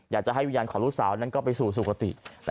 อยากจะให้วิญญาณของลูกสาวนั้นก็ไปสู่สุขติ